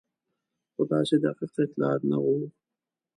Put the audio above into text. خو داسې دقیق اطلاعات نه وو.